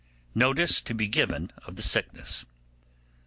Notice to be given of the Sickness.